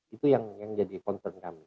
itu yang jadi concern kami